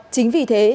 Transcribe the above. chính vì thế